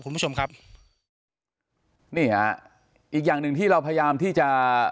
คุณผู้ชมครับนี่ฮะอีกอย่างหนึ่งที่เราพยายามที่จะ